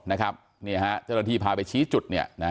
จริงอาทีพาไปชี้จุด